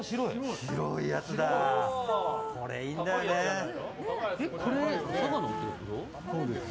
これ、いいんだよね。